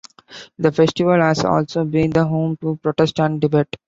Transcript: The Festival has also been the home to protest and debate.